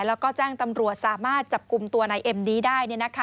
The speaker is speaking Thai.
แล้วก็แจ้งตำรวจสามารถจับกลุ่มตัวนายเอ็มนี้ได้